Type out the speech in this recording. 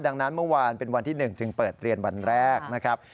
ดังนั้นเมื่อวานเป็นวันที่๑จึงเปิดเรียนวันแรกนะครับ